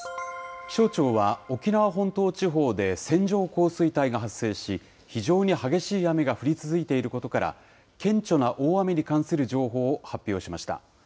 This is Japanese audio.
気象庁は、沖縄本島地方で線状降水帯が発生し、非常に激しい雨が降り続いていることから、顕著な大雨に関する情報を発表しました。